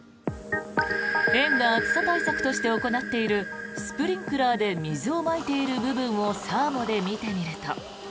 園が暑さ対策として行っているスプリンクラーで水をまいている部分をサーモで見てみると。